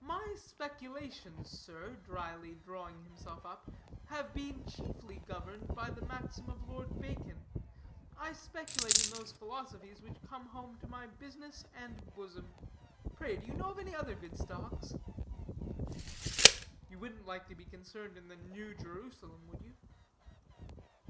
"My speculations, sir," dryly drawing himself up, "have been chiefly governed by the maxim of Lord Bacon; I speculate in those philosophies which come home to my business and bosom pray, do you know of any other good stocks?" "You wouldn't like to be concerned in the New Jerusalem, would you?"